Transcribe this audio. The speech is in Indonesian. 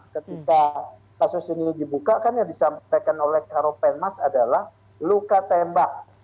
ketika kasus ini dibuka kan yang disampaikan oleh karopenmas adalah luka tembak